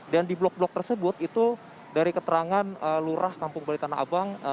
dan di blok blok tersebut itu dari keterangan lurah kampung balai tanah abang